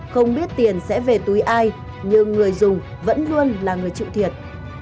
không biết tiền sẽ về túi ai nhưng người dùng vẫn luôn là người chịu thiệt